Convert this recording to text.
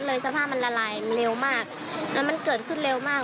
แล้วมันเกิดขึ้นเร็วมาก